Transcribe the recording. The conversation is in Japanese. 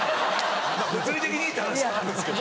物理的にって話もあるんですけど。